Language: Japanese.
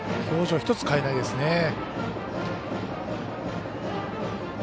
表情１つ変えないですね。